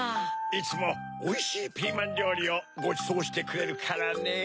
いつもおいしいピーマンりょうりをごちそうしてくれるからねぇ。